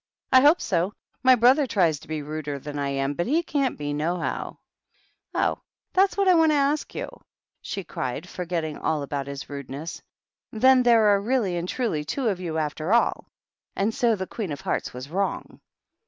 "I hope so. My brother tries to be ruder than I am, but he can't be, nohow." "Oh, that's what I want to ask you!" she cried, forgetting all about his rudeness. " Then there are really and truly two of you after all. And so the Queen of Hearts was wrong?"